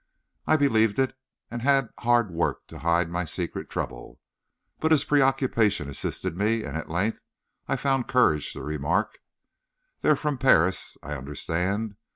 I believed it, and had hard work to hide my secret trouble. But his preoccupation assisted me, and at length I found courage to remark: "They are from Paris, I understand.